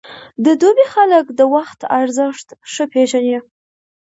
د دوبی خلک د وخت ارزښت ښه پېژني.